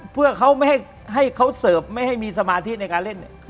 เพื่อเขาไม่ให้เขาเสิร์ฟไม่ให้มีสมาธิในการเล่น